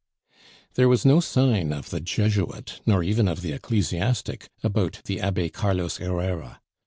There was no sign of the Jesuit, nor even of the ecclesiastic, about the Abbe Carlos Herrera.